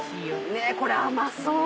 ねぇこれ甘そう！